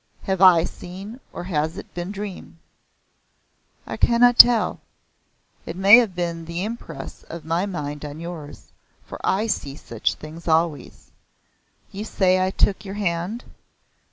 "Have I seen or has it been dream?" "I cannot tell. It may have been the impress of my mind on yours, for I see such things always. You say I took your hand?"